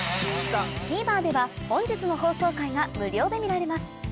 ＴＶｅｒでは本日の放送回が無料で見られます